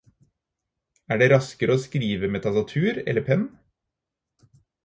Er det raskere å skrive med tastatur eller penn?